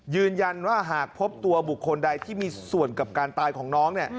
หากพบตัวบุคคลใดที่มีส่วนกับการตายของน้อง